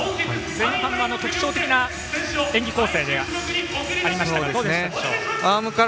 前半、特徴的な演技構成でしたがどうでしたか。